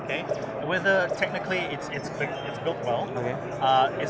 apakah tekniknya membuatnya dengan baik